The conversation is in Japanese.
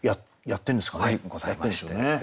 やってるんでしょうね。